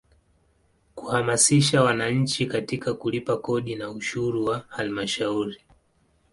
Kuhamasisha wananchi katika kulipa kodi na ushuru wa Halmashauri.